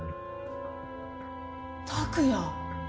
拓也。